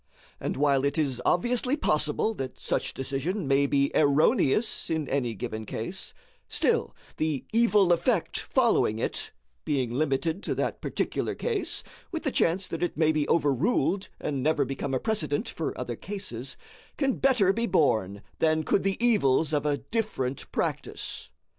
And while it is obviously possible that such decision may be erroneous in any given case, still the evil effect following it, being limited to that particular case, with the chance that it may be overruled and never become a precedent for other cases, can better be borne than could the evils of a different practice.